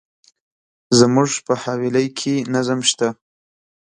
زموږ په حویلی کي نظم شته.